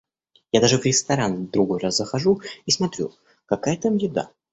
Я даже в ресторан, другой раз, захожу и смотрю, какая там еда.